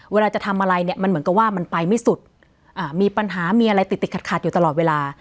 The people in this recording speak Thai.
เวลาจะทำอะไรเนี่ยมันเหมือนกับว่ามันไปไม่สุดมีปัญหามีอะไรติดติดขัดขัดอยู่ตลอดเวลา